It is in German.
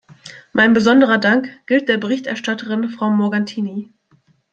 Mein besonderer Dank gilt der Berichterstatterin, Frau Morgantini.